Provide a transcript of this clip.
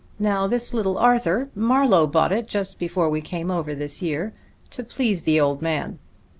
Now this Little Arthur Marlowe bought it just before we came over this year, to please the old man.